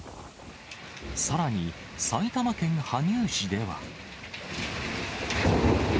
さらに、埼玉県羽生市では。